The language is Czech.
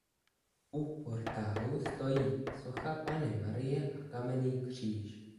U portálu stojí socha Panny Marie a kamenný kříž.